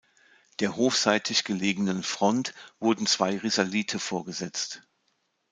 Der hofseitig gelegenen Front wurden zwei Risalite vorgesetzt.